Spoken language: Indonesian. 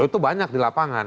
itu banyak di lapangan